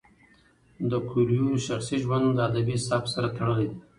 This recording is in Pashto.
د کویلیو شخصي ژوند له ادبي سبک سره تړلی دی.